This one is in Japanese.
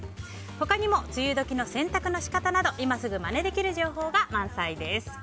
他にも、梅雨時の洗濯の仕方など今すぐまねできる情報が満載です。